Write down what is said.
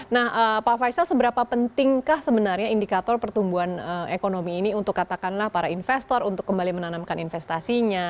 nah pak faisal seberapa pentingkah sebenarnya indikator pertumbuhan ekonomi ini untuk katakanlah para investor untuk kembali menanamkan investasinya